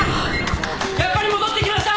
やっぱり戻ってきました！